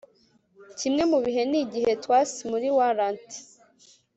Kimwe mu bihe ni igihe twas muri warrant